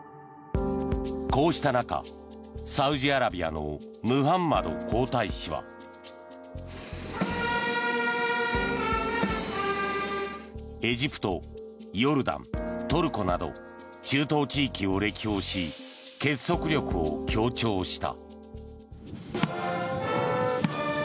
こうした中、サウジアラビアのムハンマド皇太子はエジプト、ヨルダン、トルコなど中東地域を歴訪し結束力を強調した。